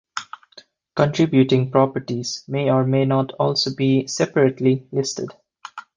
Contributing properties may or may not also be separately listed.